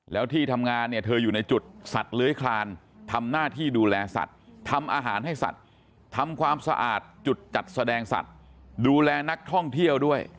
แล้วที่ทำงานเนี่ยเธออยู่ในจุดสัตว์เลื้อยคลานทำหน้าที่ดูแลสัตว์ทำอาหารให้สัตว์ทำความสะอาดจุดจัดแสดงสัตว์ดูแลนักท่องเที่ยวด้วย